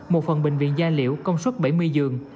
một phần bệnh viện gia liễu công suất bảy mươi giường